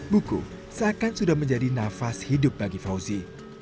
buku seakan sudah menjadi nafas hidup bagi fauzi